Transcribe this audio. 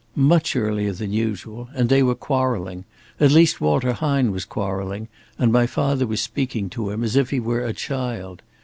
"Much earlier than usual, and they were quarreling. At least, Walter Hine was quarreling; and my father was speaking to him as if he were a child.